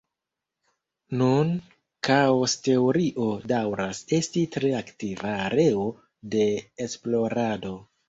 Nun, kaos-teorio daŭras esti tre aktiva areo de esplorado.